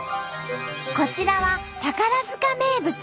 こちらは宝塚名物